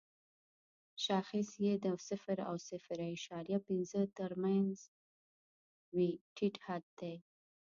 شاخص یې د صفر او صفر اعشاریه پنځه تر مینځ وي ټیټ حد دی.